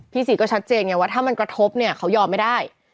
ศรีก็ชัดเจนไงว่าถ้ามันกระทบเนี่ยเขายอมไม่ได้